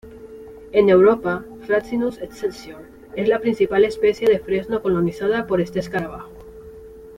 En Europa, Fraxinus excelsior es la principal especie de fresno colonizada por este escarabajo.